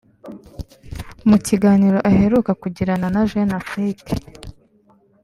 mu kiganiro aheruka kugirana na Jeune Afrique